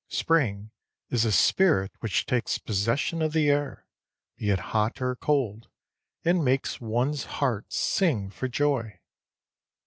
Spring is a spirit which takes possession of the air, be it hot or cold, and makes one's heart sing for joy.